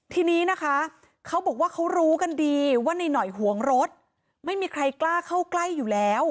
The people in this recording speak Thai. ทีนี้นะคะเขาบอกว่าเขารู้กันดีว่าในหน่อยห่วงรถไม่มีใครกล้าเข้าใกล้อยู่แล้ว